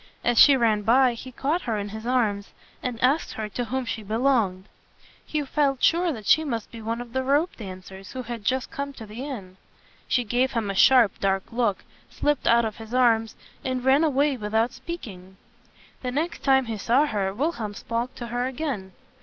As she ran by, he caught her in his arms and asked her to whom she belonged. He felt sure that she must be one of the rope dan cers who had just come to the inn. She gave him a sharp, dark look, slipped out of his arms, and ran away without speaking. The next time he saw her, Wil helm spoke to her again.